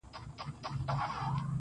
پر حقیقت به سترگي وگنډي خو,